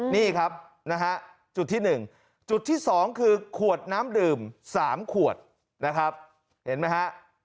นี่ครับนะฮะจุดที่๑จุดที่๒คือขวดน้ำดื่ม๓ขวดนะครับเห็นไหมฮะ